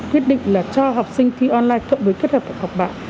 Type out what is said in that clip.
quyết định là cho học sinh thi online cộng với kết hợp với học bạn